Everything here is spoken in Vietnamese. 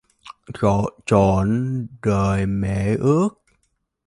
Trọn đời mẹ ước